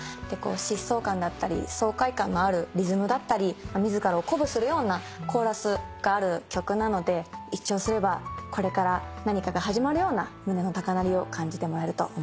疾走感だったり爽快感のあるリズムだったり自らを鼓舞するようなコーラスがある曲なので一聴すればこれから何かが始まるような胸の高鳴りを感じてもらえると思います。